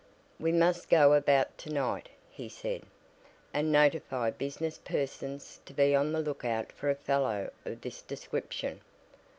"We must go about to night," he said, "and notify business persons to be on the lookout for a fellow of this description.